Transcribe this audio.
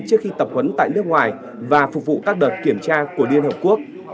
trước khi tập huấn tại nước ngoài và phục vụ các đợt kiểm tra của liên hợp quốc